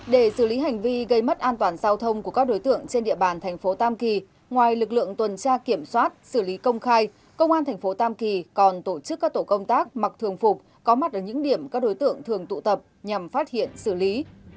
để xử lý hành vi gây mất an toàn giao thông của các đối tượng trên địa bàn thành phố tam kỳ ngoài lực lượng tuần tra kiểm soát xử lý công khai công an thành phố tam kỳ còn tổ chức các tổ công tác mặc thường phục có mặt ở những điểm các đối tượng thường tụ tập nhằm phát hiện xử lý